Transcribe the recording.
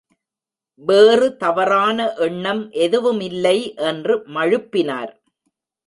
வேறு தவறான எண்ணம் எதுவுமில்லை என்று மழுப்பினார்.